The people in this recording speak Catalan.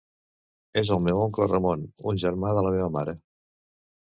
És el meu oncle Ramon, un germà de la meva mare.